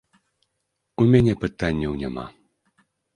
У мяне пытанняў няма.